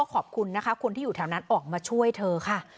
ขอบคุณนะคะคนที่อยู่แถวนั้นออกมาช่วยเธอค่ะ